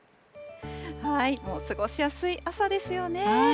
もう過ごしやすい朝ですよね。